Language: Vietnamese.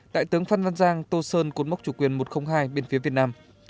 đại tướng phan văn giang tô sơn cột mốc chủ quyền một trăm linh hai bên phía việt nam